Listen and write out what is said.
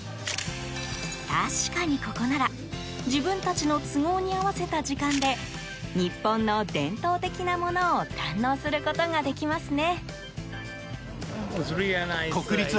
確かに、ここなら自分たちの都合に合わせた時間で日本の伝統的なものを堪能することができますね。